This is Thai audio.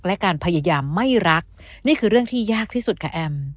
และการพยายามไม่รักนี่คือเรื่องที่ยากที่สุดค่ะแอม